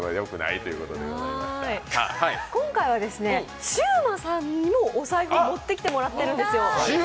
今回はシウマさんにもお財布を持ってきてもらってるんです。